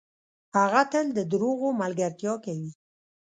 هغه تل ده دروغو ملګرتیا کوي .